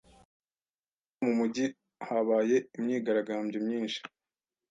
Vuba aha mu mujyi habaye imyigaragambyo myinshi.